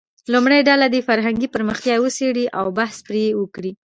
لومړۍ ډله دې فرهنګي پرمختیاوې وڅېړي او بحث پرې وکړي.